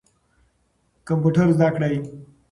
کمپیوټر زده کړئ.